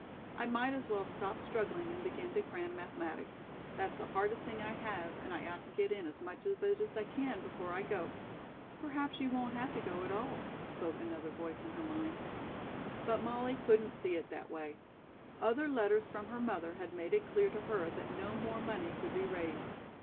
I might as well stop struggling and begin to cram mathematics. That's the hardest thing I have, and I ought to get in as much of it as I can before I go." "Perhaps you won't have to go at all," spoke another voice in her mind. But Molly couldn't see it that way. Other letters from her mother had made it clear to her that no more money could be raised.